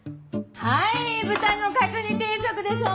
はい豚の角煮定食です